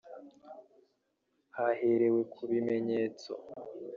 Haherewe ku bimenyetso